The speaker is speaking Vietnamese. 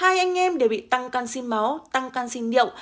hai anh em đều bị tăng canxi máu tăng canxi niệu